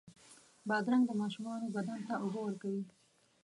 بادرنګ د ماشومانو بدن ته اوبه ورکوي.